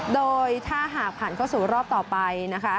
โดยถ้าหากผ่านเข้าสู่รอบต่อไปนะคะ